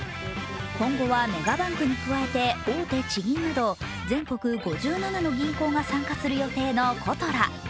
今後はメガバンクに加えて大手地銀など全国５７の銀行が参加する予定のことら。